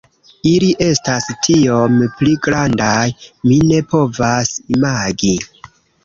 Ili estas tiom pli grandaj, mi ne povas imagi.